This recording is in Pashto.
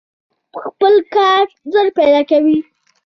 باز خپل ښکار ژر پیدا کوي